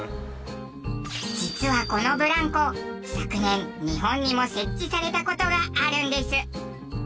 実はこのブランコ昨年日本にも設置された事があるんです。